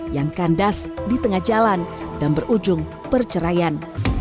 yang kandas di tengah jalan dan berujung perceraian